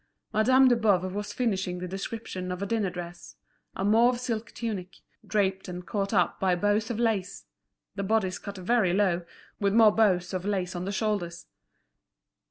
Madame de Boves was finishing the description of a dinner dress; a mauve silk tunic—draped and caught up by bows of lace; the bodice cut very low, with more bows of lace on the shoulders.